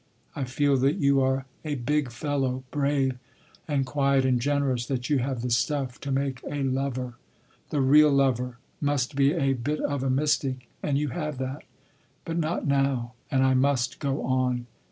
’ I feel that you are a big fellow—brave and quiet and generous—that you have the stuff to make a lover. The real lover must be a bit of a mystic and you have that—but not now, and I must go on....